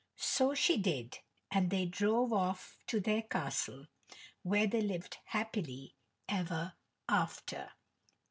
So she did; and they drove off to their castle, where they lived happy ever after.